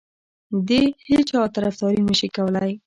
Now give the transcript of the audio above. د هیچا طرفداري نه شي کولای.